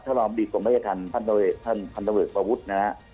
ทรวมดีกรมพยาธิธรรมพันธเวิร์ดประวุฒน์